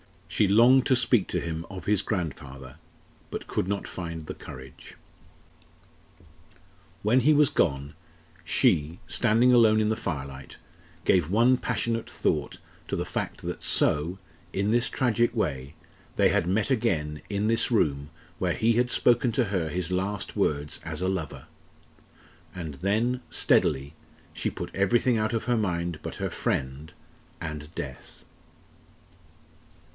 She longed to speak to him of his grandfather but could not find the courage. When he was gone, she, standing alone in the firelight, gave one passionate thought to the fact that so in this tragic way they had met again in this room where he had spoken to her his last words as a lover; and then, steadily, she put everything out of her mind but her friend and death.